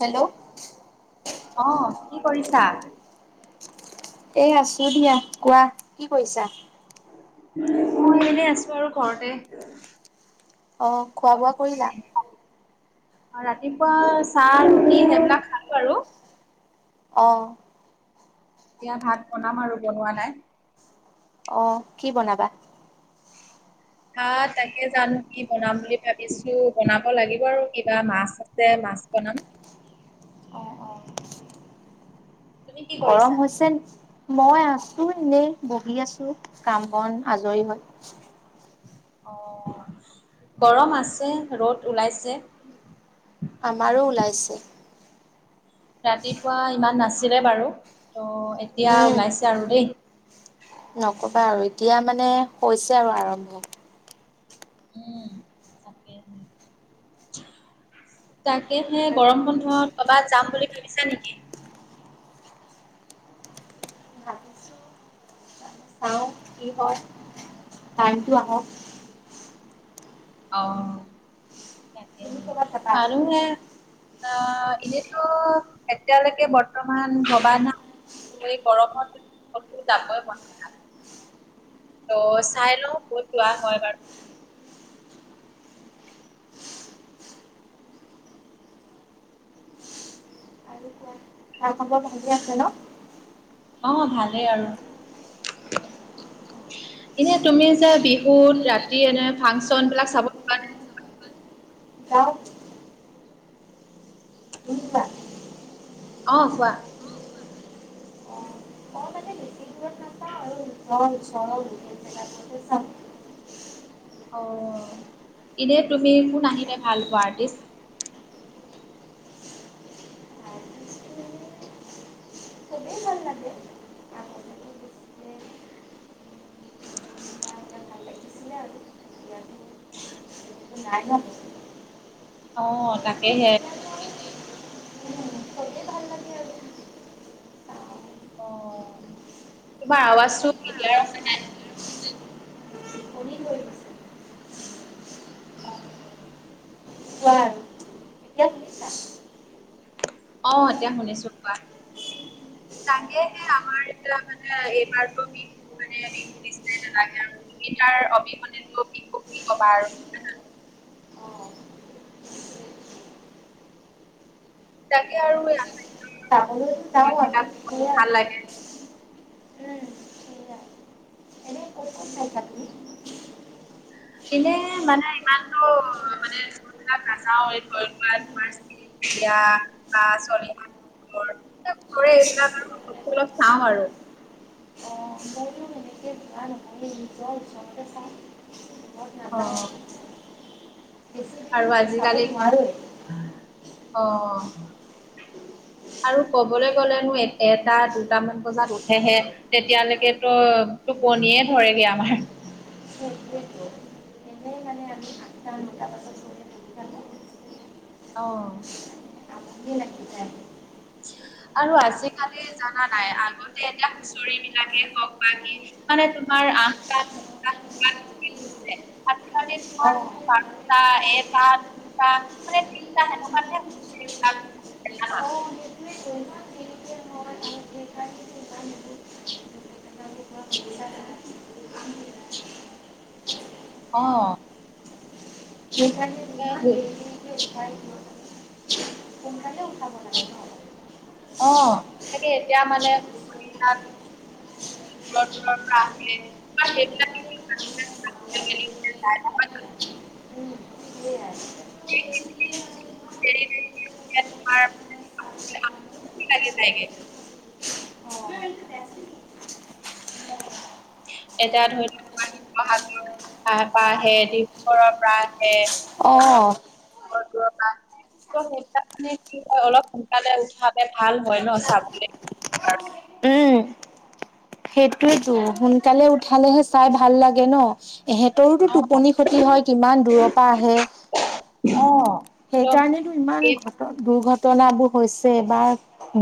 Hello অ কি কৰিছা? এ আছো দিয়া কোৱা কি কৰিছা? মই এনেই আছো আৰু ঘৰতে। অ খোৱা বোৱা কৰিলা? অ ৰাতিপুৱা চাহ ৰুটি সেইবিলাক খালো আৰু অঁ এতিয়া ভাত বনাম আৰু বনোৱা নাই। অ কি বনাবা? হা তাকে জানো কি বনাম বুলি ভাবিছো বনাব লাগিব আৰু কিবা মাছ আছে। মাছ বনাম অ অ তুমি কি কৰিছা? গৰম হৈছে। মই আছোঁ ন বহি আছোঁ কাম বন আজৰি হৈ অ গৰম আছে ৰ'দ ওলাইছে। আমাৰো ওলাইছে। ৰাতিপুৱা ইমান নাছিলে বাৰু ত' এতিয়া উম ওলাইছে আৰু দেই। নকবা আৰু এতিয়া মানে হৈছে আৰু আৰম্ভ। উম, তাকে [unintelligible] তাকেহে আৰু গৰম বন্ধত কবাত যাম বুলি ভাবিছা নেকি? ভাবিছো চাও কি হয় কাৰেনটো আহক। অ তাকে তুমি ক'বাত যাবা মানুহে। অ এনেতো এতিয়ালৈকে বৰ্তমান ভবা নাই। গৰমত জাবই প ত' চাই লও কত যোৱা হয় বাৰু তোমাৰ খবৰ ভালে আছে ন। অ ভালেই আৰু [unintelligible] এনে তুমি যে বিহুত ৰাতি এনে ফাংচন বিলাক চাব লগা নাই? যাও তুমি যোৱা অ কোৱা। মই মানে বেছি দূৰত [unintelligible] অ এনে তুমি কোন আহিলে ভাল পোৱা আৰ্টিষ্ট? [unintelligible] অ তাকে সেয়াই চাওঁ অ তোমাৰ আৱাজটো কিলিয়াৰ অহা নাই? অহা নাই ভইচতো বুজি পোৱা নাই আহ এতিয়া শুনিছো কোৱা তাকেহে আমাৰ এ মানে এইবাৰ ক বিহু মানে নি্চ নালাগে আৰু তুমি তাৰ অবিহনেতো বিহু কি ক'বা আৰু [unintelligible] তাকে আৰু বিলাক ভাল লাগে [unintelligible] উম সেয়াই এনেই ক'ত ক'ত চাইছা তুমি এনে মানে ইমানতটো [unintelligible] অলপ চাওঁ আৰু অ ময়ো এনেকে যোৱা নহয় নিজৰ ওচৰতে চাওঁ দূৰত অ নাযাওঁ আৰু বেছি আৰু দিনত চাব আজিকালি নোৱাৰোৱেই অ [unintelligible] আৰু কবলৈ গ'লেনো এটা দুটামান বজাত উঠেহে তেতিয়ালৈকে তো। টোপনিয়ে ধৰেগে আমাৰ। সেইটোৱেতো এনেই মানে আমি আঠটা নটা বজাত গ'লে বহি থাকোঁ আহ। আমনিয়ে লাগি যায় আৰু আজ কালি জানা নাই আগতে এতিয়া হুচৰি বিলাকে হওক বা কি মানে তোমাৰ আঠটা [unintelligible] আজিকালি অ [unintelligible] [unintelligible] অ উম সোনকালে অ কি অ হ উঠাব লাগে ন অ সচাকৈ এতিয়া মানে [unintelligible] [unintelligible] সেইয়াই ভইচটো কিলিয়েৰ অহা নাই ত [unintelligible] এতিয়া ধৰি লওক [unintelligible] আহে ডিব্ৰগড়ৰ পৰা আহে অ বহুত দূৰৰ পৰা আহে ত সেই কাৰণে কি হয় অলপ সোনকালে উঠালে ভাল হয় ন চাবলে উম সেইটোয়তো সোনকালে উঠালেহে চাই ভাল লাগে ন এহেঁতৰোতো অ টোপনি ক্ষতি হয় কিমান দূৰৰ পৰা আহে অ সেই কাৰণেতটো ইমান একদম ঘটনা দুৰ্ঘটনা ঘটনাবোৰ হৈছে বা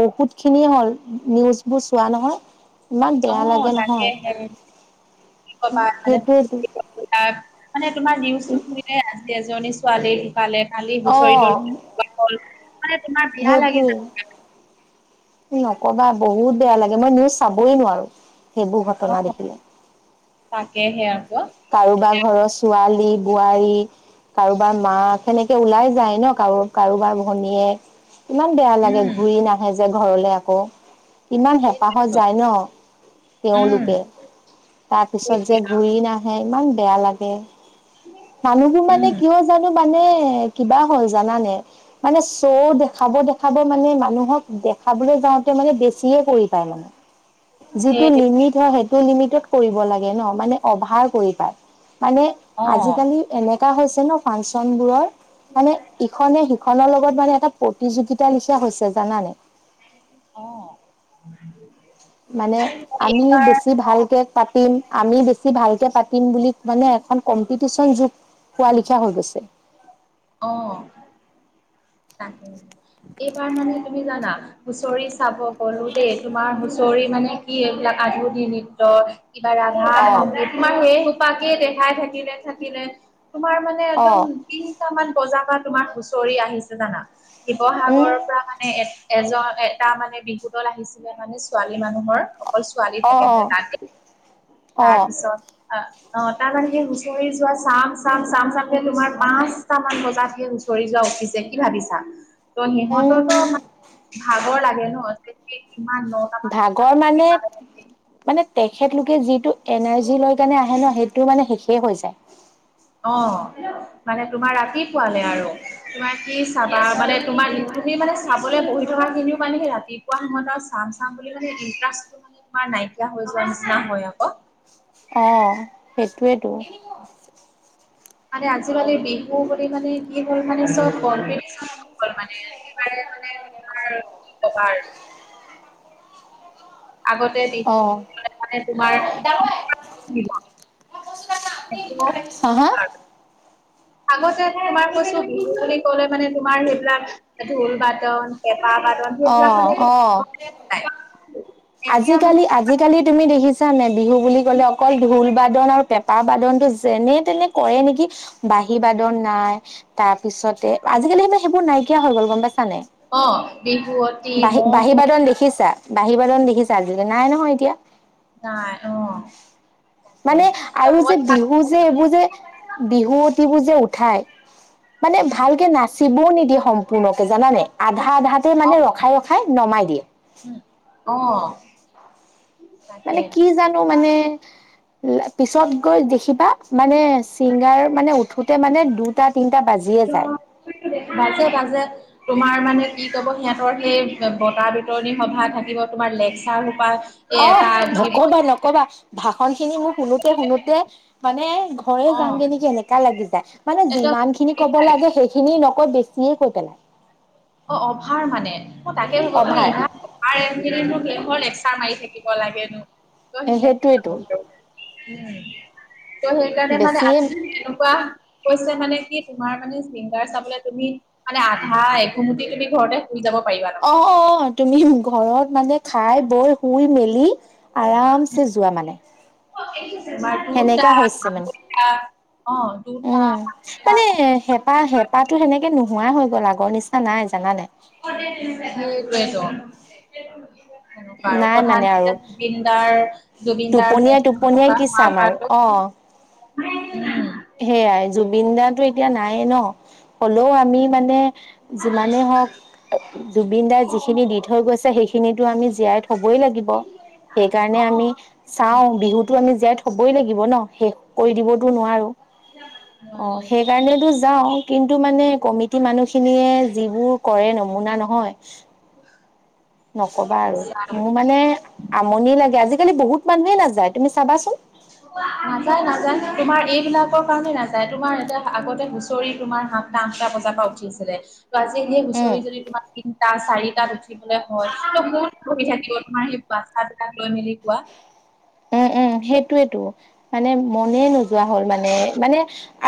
বহুতখিনিয়ে হ'ল নিউজবোৰ চোৱা নহয় ইমান অ বেয়া লাগে তাকে নহয় হে কি কবা মানে সেইটোৱেতো মানে তোমাৰ নিউজ খুলিলে আজি এজনী ছোৱালী কালে কালি অ সেইটোৱে [unintelligible] নকবা বহুত বেয়া লাগে মই নিউজ চাবই নোৱাৰো সেইবোৰ যাব ঘটনা ন দেখিলে [unintelligible] কাৰোবাৰ ঘৰৰ ছোৱালী বোৱাৰী কাৰোবাৰ মাক সেনেকে ওলাই যায় ন কাৰো কাৰোবাৰ ভনীয়ে। ইমান বেয়া লাগে উম ঘূৰি নাহে যে ঘৰলে আকৌ ইমান হেঁপাহত সেইটোৱেতো যায় ন উম তেওঁলোকে। তাৰ পিছত সেইটোৱে যে আৰু। ঘূৰি না ইমান বেয়া লাগে মানুহবোৰ উম মানে কিয় জানো। মানে কিবা হ'ল জানানে মানে চ' দেখাব দেখাব মানে মানুহক। চাবলৈ যাওঁতে মানে বেছিয়ে পৰি পায় মানে। যিটো সেই লিমিট হয় সেইটো লিমিটত কৰিব লাগে ন'? মানে অভাৰ কৰি পায়। মানে অ', আজিকালি এনে- কা হৈছে ন' ফাংচন বোৰৰ, মানে ইখনে সিখনৰ লগত মানে এটা- প্ৰতিযোগিতা লিখিয়া হৈছে। জানানে? অ', [unintelligible] মানে আমি এইবাৰ বেছি অ', ভালকে পাতিম আমি বেছি ভাল- পাতিম বুলি মানে এখন কম্পিটিচন যুগ হোৱা লিখিয়া হৈ গৈছে। অঁ। তাকে এইবাৰ মানে তুমি জানা হুঁচৰি চাব গলো দেই তোমাৰ হুঁচৰি মানে কি এইবিলাক আধুনিক নৃত্য কিবা ৰাধা অ', সংগীত, তোমাৰ সেইসোপাকেই দেখাই থাকিলে থাকিলে। তোমাৰ মানে একদম অ'। তিনটা মান বজাৰ পৰা তোমাৰ হুঁচৰি আহিছে জানা। উম, শিৱসাগৰৰ পৰা মানে এ- এজ, এটা মানে বিহু দল আহিছিলে মানে ছোৱালী মানুহৰ। অকল ছোৱালী থাকে মানে অ', অ', তাত দেই। অ', তাৰপিছত। আ, অ তাৰমানে সেই হুঁচৰি যোৱা চাম-চাম, চাম-চামকে তোমাৰ পাঁচটা মান বজাত সেই হুঁ- চৰি যোৱা উঠিছে। কি ভাবিছা? ত' উম, সিহঁতৰতো ভাগৰ লাগে ন [unintelligible] নটামান ভাগৰ মানে, বজাত মানে। তেখেতলোকে যিটো এনাৰ্জি লৈ কেনে আহে ন' সেইটো মানে শেষেই হৈ যায়। অ' মানে তোমাৰ ৰাতিপুৱালে আৰু তোমাৰ কি চাবা মানে তোমাৰ তুমি মানে চাবলৈ বহি থকা খিনিও মানে সেই ৰাতিপুৱা সময়ত চাম-চাম বুলি মানে ইণ্টাৰেষ্টটো মানে তোমাৰ না। নাইকিয়া হৈ যোৱা নিচিনা হয় আক' অহ সেইটোৱেতো। মানে আজিকালি বিহু বুলি মানে কি হ'ল মানে চব কম্পিটিছন হৈ গ'ল মানে কি কয়। [unintelligible] আগতে অ', মানে তোমাৰ। হা হা [unintelligible] [unintelligible] আগতে তোমাৰ কৈছো বিহু বুলি কলে মানে তোমাৰ সেইবিলাক ঢোল-বাটন, পেঁ- অঁ অঁ নাই। এতিয়া মানে আজিকালি, আজিকালি তুমি দেখিছা নে। বিহু বুলি ক'লে অকল ঢোল-বাদন আৰু পেঁ- পা বাদনটো যেনে তেনে কৰে নেকি? বাঁহী-বাদন নাই তাৰপিছতে আজি। কালি মানে সেইবোৰ নাইকিয়া হৈ গ'ল গম পাইছে। অ বিহুৱতী বাহী মৌ কুঁৱ বাঁহী-বাদন দেখিছা? বাঁহী-বাদন দেখিছা আজিকালি নাই নহয় এতিয়া। নাই অহ। মানে আৰু যে বিহু যে এইবোৰ যে বিহুৱতিবোৰ যে উঠাই। মানে ভালকে নাচিবও নিদিয়ে সম্পূৰ্ণকে জানানে? আধা-আধাতে মানে ৰখাই ৰখাই নমাই দিয়ে। উম অ তাকে মানে কি জানো মানে? পিছত গৈ দেখিবা মানে চিংগাৰ মানে উঠোতে মানে দু- [unintelligible] বাজে-বাজে। তোমাৰ মানে কি কৰিব সিহঁতৰ সেই বঁটা বিতৰণী সভা থাকিব তোমাৰ লেকচাৰ সোপা এই অ' এটা উঠিব নকবা-নকবা। ভাষণ খিনি মোৰ শুনোতে শুনোতে মানে ঘৰে অ যাংগে নেকি এনেকা লাগি যায়। মানে একদম যিমানখিনি কব লাগে সেইখিনি ন আকৌ বেছিয়ে কৈ পেলাই। অ' অভাৰ মানে তাকে হ'ব তু ই অভাৰ [unintelligible] তাৰ মাৰি থাকিব লাগেনো ত' সেনেকে। সেইটোৱেতো উম ত' সেইকাৰণে মানে বেছিয়ে আজি কেনেকুৱা। কৈছে মানে কি তোমাৰ মানে চিংগাৰ চাবলে তুমি মানে আধা এঘুমুতি তুমি ঘৰতে শুই যাব পাৰিবা অ অ তুমি ঘৰত মানে খাই তাৰমানে বৈ শুই মেলি আৰামছে যোৱা মানে। মই সেনেকা হৈছে মানে দুটা অ দুটা উম চ [unintelligible] তে নোহোৱা হৈ গ'ল আগৰ নিচিনা নাই জানা নাই। [unintelligible] তেনেকুৱা আৰু নাই মানে প্ৰধান আৰু যেতিয়া জুবিনদাৰ জুবিনদাৰ টোপনিয়াই মৰা টোপনিয়াই হোৱা কি চাম আৰু অ প্ৰকাশ সেয়াই জুবিন দাটো এতিয়া নায়ে ন। হ'লেও আমি উম মানে যিমানে হওঁক জুবিন দাৰ যিখিনি দি থৈ গৈছে সেইখিনি খিনিতো আমি জীয়াই থবই লাগিব সেইকাৰণে অ আমি চাও বিহুতো আমি জীয়াই থবই লাগিব ন শেষ কৰি দিবতো নোৱাৰো। অ নোৱাৰি সেইকাৰণেতো যাওঁ। কিন্তু মানে কমিটি মানুহখিনিয়ে যিবোৰ কৰে নমুনা নহয়। নকবা আৰু মোৰ সঁচা মানে আমনি লাগে আজি আজিকালি বহুত মানুহে নাযায় তুমি চাবা চোন। নাযায় নাযায় তোমাৰ এইবিলাকৰ কাৰণে নাযায় তোমাৰ এতিয়া আগতে হুচৰি তোমাৰ সাতটা আঠটা বজাৰ পৰা উঠিছিলে ত' আজি সেই উম হুঁচৰি যদি তোমাৰ তিনটা চাৰিটাত উঠিবলৈ হয় বহুত অসুবিধা থাকিব তোমাৰ সেই বাটচ্ছাবিলাক লৈ মেলি কোৱা উম উম সেইটোয়েতো মানে মনে নোযোৱা হ'ল মানে মানে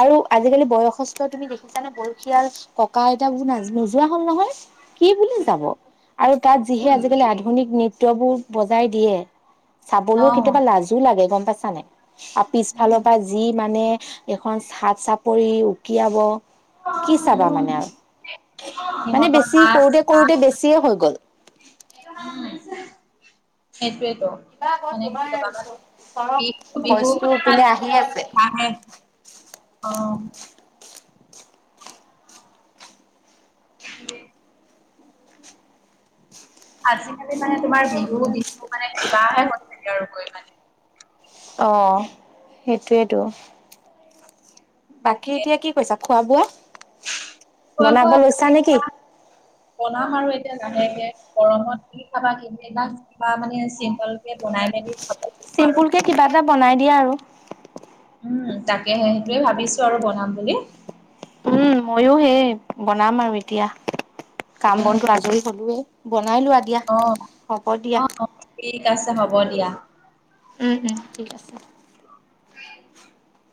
আৰু আজিকালি বয়সস্থ তুমি দেখিছা নে বয়সীয়াল ককা আইতা বোৰ নোযোৱা হল নহয়। কি বুলি যাব আৰু তাত যিহে আজিকালি আধুনিক নৃত্যবোৰ বজাই দিয়ে অ চাবলৈও কেতিয়াবা লাজো লাগে গম পাইছা নাই? আৰু পিছফালৰ পৰা যি মানে এখন হাত চাপৰি উকিয়াব। কি চাবা মানে আৰু মানে সিহঁতৰ বেছি নাচ কৰোতে কৰোতে গান। বেছিয়ে হৈ গ'ল সেইটোৱে। কিবা আকৌ মানে তোমাৰ কি কবা আৰু ওচৰত বিহু ভইচটো বিহু পিনে আহি আছে অ। উম। আজিকালি মানে তোমাৰ বিহু বিহু মানে কিবাহে হৈ থাকে আৰু গৈ মানে। অহ সেইটোৱে তো। বাকী এতিয়া কি কৰিছা খোৱা বোৱা খোৱা বনাব লৈছা বোৱা নেকি? বনাম আৰু লাহেকে গৰমত কি খাবা কিমান বিলাক কিবা মানে চিম্পল বনাই মেলি খোৱা চিম্পুলকে কিবা এটা বনাই দিয়া আৰু। উম তাকেহে সেইটোয়ে ভাবিছো আৰু বনাম বুলি। উম ময়ো সেই বনাম আৰু এতিয়া কাম উম বনটো আজৰি হলোৱে বনাই লোৱা দিয়া অ হ'ব দিয়া অ ঠিক আছে হ'ব দিয়া। উম উম ঠিক আছে। উ [unintelligible]